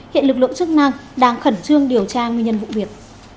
hiện lực lượng chức năng đang khẩn trương điều tra nguyên nhân vụ việc